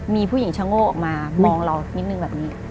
มีผู้หญิงชะโง่ออกมามองเรานิดนึงแบบนี้